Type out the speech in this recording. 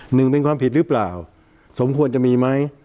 หนึ่งเป็นความผิดหรือเปล่าสมควรจะมีไหม